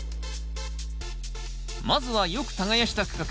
まずはよく耕した区画。